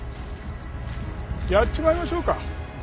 やっちまいましょうか。